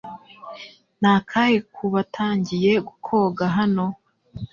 Ni akaga kubatangiye koga hano.